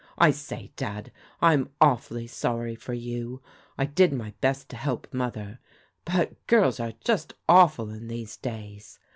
" I say, Dad, I'm awfully sorry for you. I did my best to help Mother. But girls are just awful in these days.